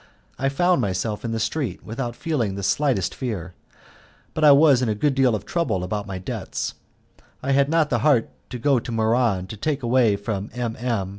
I found myself in the street without feeling the slightest fear, but I was in a good deal of trouble about my debts. I had not the heart to go to Muran to take away from M. M.